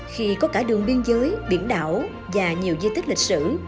khi có cả đường biên giới biển đảo và nhiều di tích lịch sử